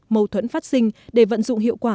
mâu thuẫn phát sinh để vận dụng hiệu quả